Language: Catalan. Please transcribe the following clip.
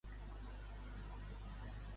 Com qualifica Podem l'ampliació de l'aeroport?